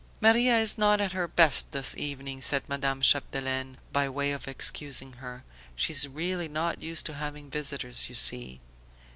"Maria is not at her best this evening," said Madame Chapdelaine by way of excusing her, "she is really not used to having visitors you see..."